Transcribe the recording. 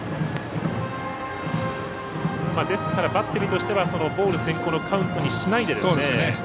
ですから、バッテリーとしてはボール先行のカウントにしないで。